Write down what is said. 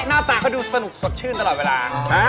หน้าตาเขาดูสนุกสดชื่นตลอดเวลา